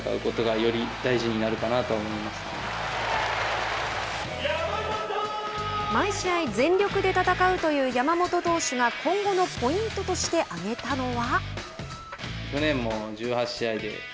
優勝に向けて毎試合全力で戦うという山本投手が今後のポイントとして挙げたのは。